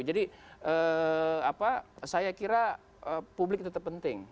jadi saya kira publik tetap penting